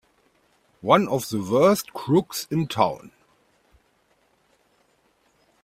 One of the worst crooks in town!